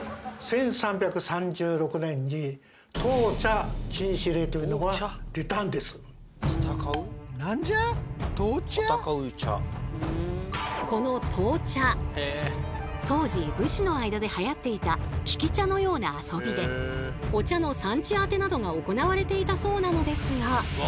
あとねこの闘茶当時武士の間ではやっていた「利き茶」のような遊びでお茶の産地当てなどが行われていたそうなのですが。